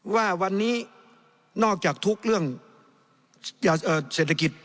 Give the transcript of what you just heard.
ว่าวันนี้นอกจากทุกข์เรื่องเศรษฐกิจ